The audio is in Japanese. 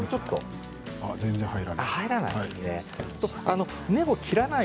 全然入らない。